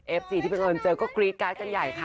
เอฟสีที่เปลี่ยนเข้ามาเจอก็กรี๊ดการ์ดกันใหญ่ค่ะ